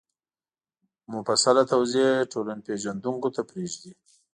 مفصله توضیح ټولنپېژندونکو ته پرېږدي